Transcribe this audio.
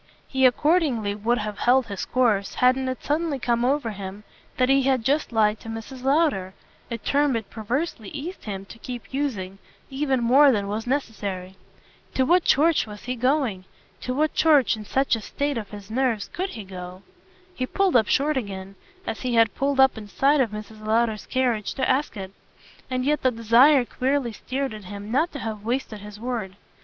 He accordingly would have held his course hadn't it suddenly come over him that he had just lied to Mrs. Lowder a term it perversely eased him to keep using even more than was necessary. To what church was he going, to what church, in such a state of his nerves, COULD he go? he pulled up short again, as he had pulled up in sight of Mrs. Lowder's carriage, to ask it. And yet the desire queerly stirred in him not to have wasted his word.